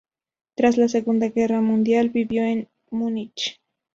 Tras la Segunda Guerra Mundial, vivió en Múnich.